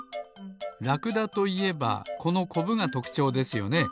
ラクダといえばこのコブがとくちょうですよね。